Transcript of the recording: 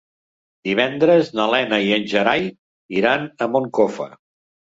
Divendres na Lena i en Gerai iran a Moncofa.